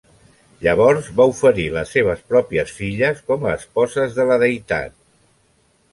Llavors va oferir les seves pròpies filles com a esposes de la deïtat.